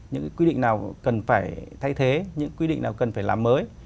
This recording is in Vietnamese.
những cái quy định nào cần phải thay thế những cái quy định nào cần phải làm mới